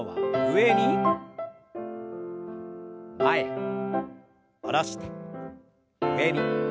前に下ろして上に。